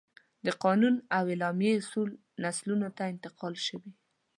د قانون او اعلامیه اصول نسلونو ته انتقال شوي.